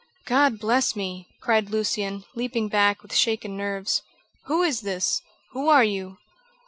"God bless me!" cried Lucian, leaping back, with shaken nerves. "Who is this? Who are you?"